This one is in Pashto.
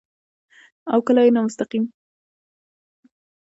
او کله يې نامستقيم